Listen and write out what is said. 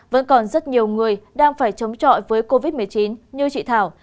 vẫn còn rất nhiều người đang phải chống chọi với covid một mươi chín như chị thảo